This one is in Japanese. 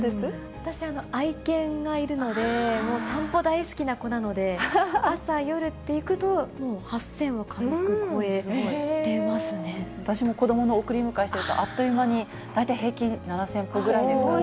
私、愛犬がいるので、散歩大好きな子なので、朝、夜って行くと、もう８０００は軽私も子どもの送り迎えしてると、あっという間に、大体平均７０００歩ぐらいですかね。